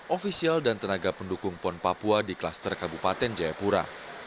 ofisial dan tenaga pendukung pon papua di klaster kabupaten jayapura